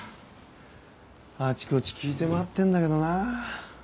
あちこち聞いて回ってんだけどな。